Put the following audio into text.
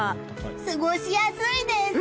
過ごしやすいです！